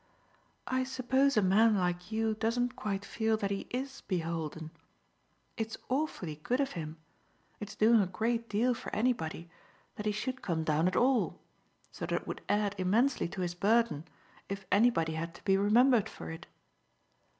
"I suppose a man like you doesn't quite feel that he IS beholden. It's awfully good of him it's doing a great deal for anybody that he should come down at all; so that it would add immensely to his burden if anybody had to be remembered for it."